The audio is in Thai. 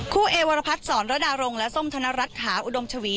คู่เอวรพัฒน์สอนรดารงค์และส้มชนะรัดขาอุดมชวี